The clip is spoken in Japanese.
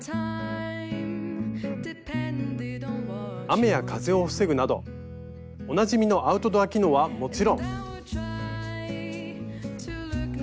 雨や風を防ぐなどおなじみのアウトドア機能はもちろん。